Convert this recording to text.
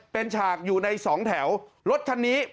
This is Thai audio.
เป็นฉากอยู่ในสองแถวรถคันนี้